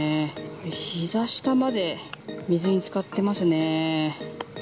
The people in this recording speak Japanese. ひざ下まで水につかってますね。